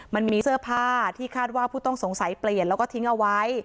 มันมีเสื้อผ้าที่คาดว่าผู้ต้องสงสัยเปลี่ยนแล้วก็ทิ้งเอาไว้